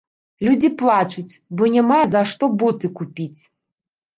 Людзі плачуць, бо няма за што боты купіць!